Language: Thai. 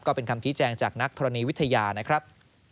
ก็เป็นคำชี้แจงจากนักธรณีวิทยานะครับ